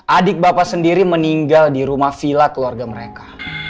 adik bapak sendiri meninggal di rumah villa keluarga mereka